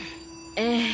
ええ。